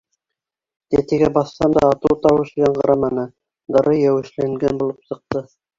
Тәтегә баҫһам да, атыу тауышы яңғыраманы, дары еүешләнгән булып сыҡты.